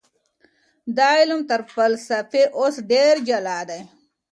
دا علم تر فلسفې اوس ډېر جلا دی.